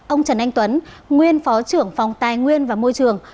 ông trần anh tuấn nguyên phó trưởng phòng tài nguyên và môi trường